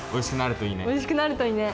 おいしくなるといいね！